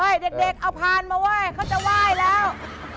อ้าวเขาจะไหว้แล้ว